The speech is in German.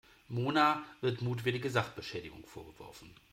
Mona wird mutwillige Sachbeschädigung vorgeworfen.